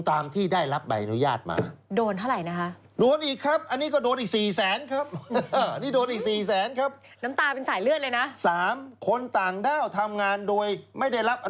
ท่านผู้ชมครับมี๓๙อาชีพนะครับ